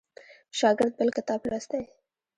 شاګرد بل کتاب لوستی.